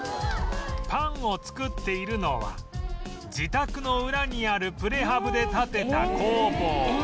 パンを作っているのは自宅のウラにあるプレハブで建てた工房